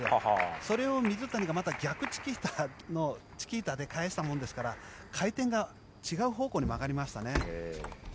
それを水谷がまた逆チキータのチキータで返したものですから回転が違う方向に曲がりましたね。